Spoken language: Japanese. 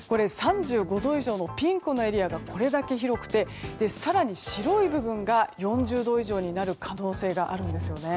３５度以上のピンクのエリアがこれだけ広くて更に白い部分が４０度以上になる可能性があるんですよね。